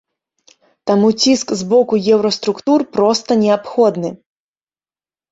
Таму ціск з боку еўраструктур проста неабходны.